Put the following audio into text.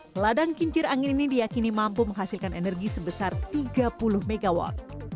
peladang kincir angin ini diakini mampu menghasilkan energi sebesar tiga puluh mw